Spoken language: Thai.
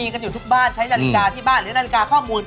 กันอยู่ทุกบ้านใช้นาฬิกาที่บ้านหรือนาฬิกาข้อมูล